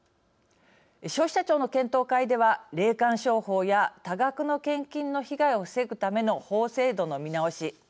消費者庁の検討会では霊感商法や多額の献金の被害を防ぐための法制度の見直し。